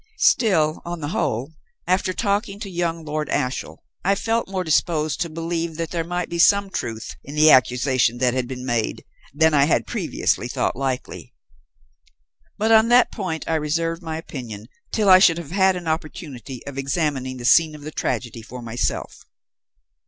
"Still on the whole, after talking to young Lord Ashiel, I felt more disposed to believe that there might be some truth in the accusation that had been made than I had previously thought likely. But on that point I reserved my opinion till I should have had an opportunity of examining the scene of the tragedy for myself.